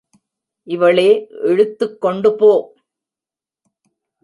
இவளே இழுத்துக் கொண்டு போ!